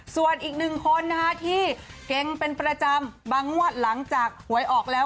ส่วนอีกหนึ่งคนนะคะที่เก่งเป็นประจำบางงวดหลังจากหวยออกแล้ว